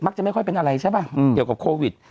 จะไม่ค่อยเป็นอะไรใช่ป่ะเกี่ยวกับโควิด